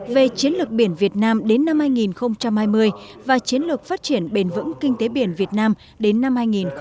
về chiến lược biển việt nam đến năm hai nghìn hai mươi và chiến lược phát triển bền vững kinh tế biển việt nam đến năm hai nghìn ba mươi